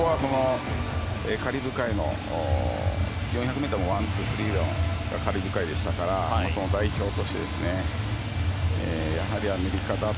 カリブ海の４００ｍのワン、ツー、スリーがカリブ海でしたからその代表としてやはり、打倒